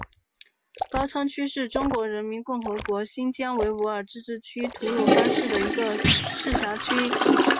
高昌区是中华人民共和国新疆维吾尔自治区吐鲁番市的一个市辖区。